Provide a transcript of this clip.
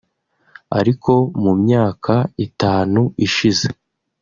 ariko mu myaka itanu ishize